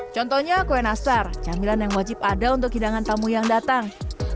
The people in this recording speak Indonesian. contohnya kue nastar camilan yang wajib ada untuk hidangan tamu yang datang